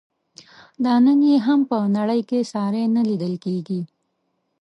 دا نن یې هم په نړۍ کې ساری نه لیدل کیږي.